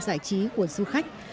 giải trí của dân